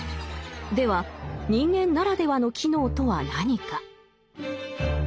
では人間ならではの機能とは何か？